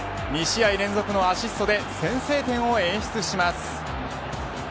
２試合連続のアシストで先制点を演出します。